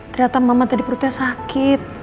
ternyata mama tadi perutnya sakit